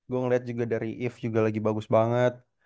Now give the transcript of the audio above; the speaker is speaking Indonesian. gue ngelihat juga dari yves juga lagi bagus banget